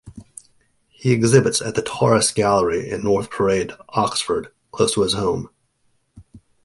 He exhibits at the Taurus Gallery in North Parade, Oxford, close to his home.